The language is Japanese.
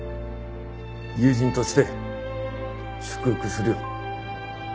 友人として祝福するよ。